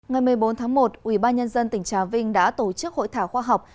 ngày một mươi bốn tháng một ubnd tỉnh trà vinh đã tổ chức hội thảo khoa học